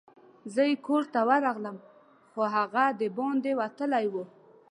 زه یې کور ته ورغلم، خو هغه دباندي وتلی وو.